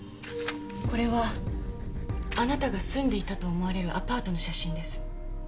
これはあなたが住んでいたと思われるアパートの写真です。